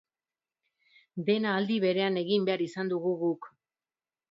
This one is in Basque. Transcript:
Dena aldi berean egin behar izan dugu guk.